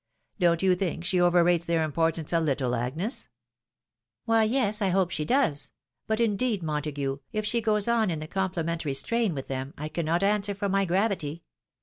Don't you think she overrates their importance a little, Agnes ?"" "Why, yes, I hope she does. But, indeed, Montague, if she goes on in the complimentary strain with them, I cannot answer for my gravity.